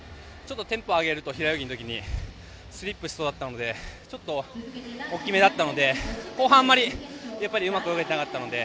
テンポを上げると平泳ぎの時にスリップしそうだったのでちょっと大きめだったので後半あまりうまく泳げていなかったので。